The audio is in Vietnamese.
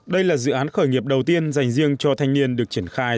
đây là dự án khởi nghiệp đầu tiên dành riêng cho thanh niên được triển khai